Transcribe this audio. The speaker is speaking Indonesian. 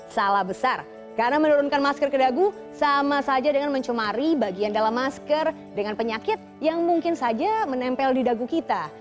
salah besar karena menurunkan masker ke dagu sama saja dengan mencemari bagian dalam masker dengan penyakit yang mungkin saja menempel di dagu kita